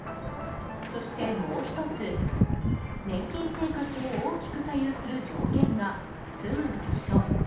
そして、もう１つ年金生活を大きく左右する条件が住む場所。